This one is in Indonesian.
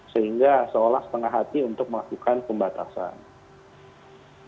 sehingga seolah setengah hati untuk melakukan pembatasan